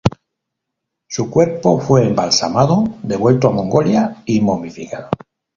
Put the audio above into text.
Su cuerpo fue embalsamado, devuelto a Mongolia y momificado.